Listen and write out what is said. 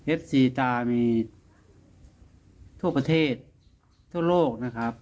ซีตามีทั่วประเทศทั่วโลกนะครับ